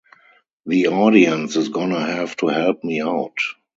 The audience is gonna have to help me out.